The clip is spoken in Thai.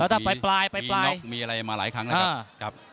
เออไปปลายนะครับ